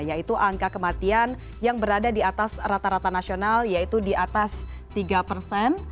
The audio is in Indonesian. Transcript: yaitu angka kematian yang berada di atas rata rata nasional yaitu di atas tiga persen